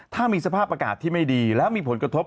ถ้ามีสภาพอากาศที่ไม่ดีแล้วมีผลกระทบ